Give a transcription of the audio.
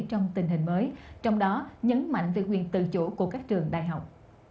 trong tình hình mới trong đó nhấn mạnh về quyền tự chủ của các trường đại học